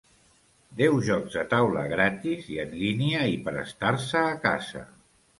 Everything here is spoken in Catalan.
Deu Jocs de Taula gratis i en línia i per estar-se a casa.